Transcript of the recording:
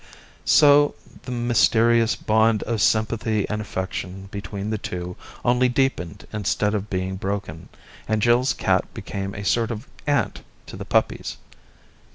So the mysterious bond of sympathy and affection between the two, only deepened instead of being broken, and Jill's cat became a sort of aunt to the puppies.